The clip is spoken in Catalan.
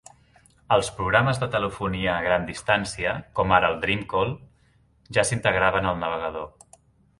Els programes de telefonia a gran distància, com ara Dreamcall, ja s'integraven al navegador.